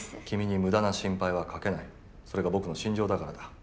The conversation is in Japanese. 君に無駄な心配はかけないそれが僕の信条だからだ。